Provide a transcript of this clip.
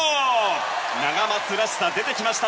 ナガマツらしさが出てきました。